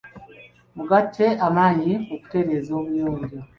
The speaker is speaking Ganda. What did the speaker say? Mugatte amaanyi mu kutereeza obuyonjo.